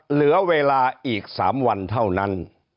เหลือเวลาอีก๓วันเท่านั้น